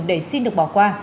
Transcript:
để xin được bỏ qua